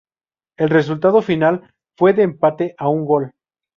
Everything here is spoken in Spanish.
El resultado final fue de empate a un gol.